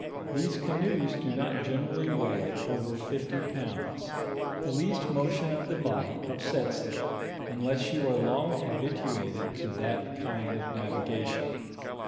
These canoes do not generally weigh ovor fifty pounds ; the least motion of the body upsets them, imless you are long habituated to that kind of navigation.